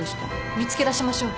見つけ出しましょう。